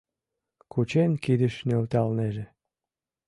Кучен кидыш нӧлталнеже.